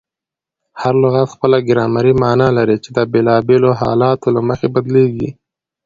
هر لغت خپله ګرامري مانا لري، چي د بېلابېلو حالتو له مخي بدلیږي.